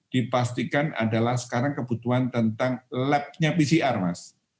dipastikan adalah sekarang kebutuhan tentang lab nya pcr mas